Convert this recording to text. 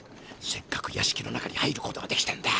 せっかくやしきの中に入ることができたんだ。